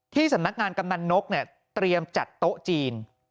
ที่สำนักงานกำนันนกเตรียมจัดโต๊ะจีน